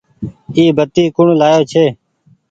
اي بتي ڪوڻ لآيو ڇي۔